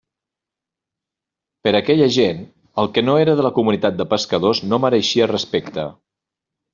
Per a aquella gent, el que no era de la Comunitat de Pescadors no mereixia respecte.